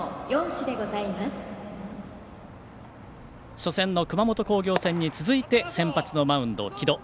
初戦の熊本工業戦に続いて先発のマウンド、城戸。